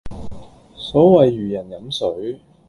所謂如人飲水